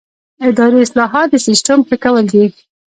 اداري اصلاحات د سیسټم ښه کول دي